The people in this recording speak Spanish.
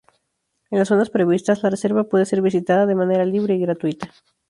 En las zonas previstas, la reserva puede ser visitada de manera libre y gratuita.